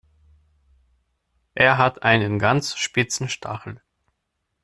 Er hat einen ganz spitzen Stachel.